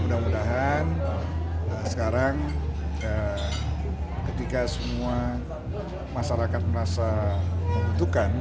mudah mudahan sekarang ketika semua masyarakat merasa membutuhkan